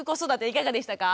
いかがでしたか？